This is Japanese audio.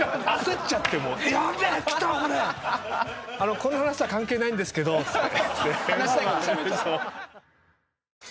この話とは関係ないんですけどっつって。